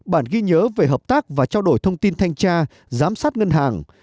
bản ghi nhớ về hợp tác và trao đổi thông tin thanh tra giám sát ngân hàng